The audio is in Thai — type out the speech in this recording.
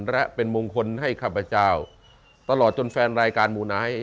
และเป็นมงคลให้ข้าพเจ้าตลอดจนแฟนรายการมูไนท์